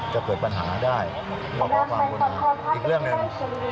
จะเกิดปัญหาได้นี่ก็ค้าบังคุณอีกเรื่องหนึ่ง